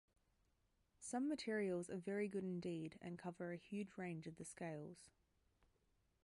Some materials are very good indeed and cover a huge range of the scales.